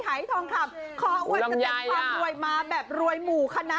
หายทองขับอุลำยายอ่ะความรวยมาแบบรวยหมู่คณะ